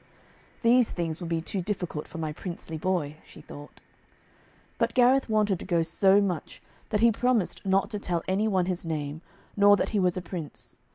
'These things will be too difficult for my princely boy,' she thought. But Gareth wanted to go so much, that he promised not to tell any one his name, nor that he was a prince.